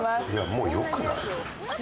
もうよくない？